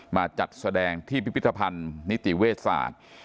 มาจัดแสดงที่พิพิธภัณฑ์นิติเวชศาสตร์